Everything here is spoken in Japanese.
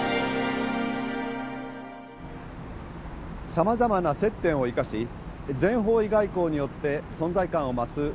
さまざまな接点を生かし全方位外交によって存在感を増すトルコ。